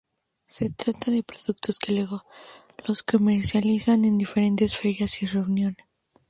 Se trata de productos que luego los comercializan en diferente ferias y reuniones.